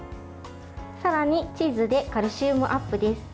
さらにチーズでカルシウムアップです。